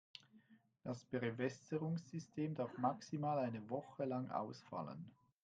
Das Bewässerungssystem darf maximal eine Woche lang ausfallen.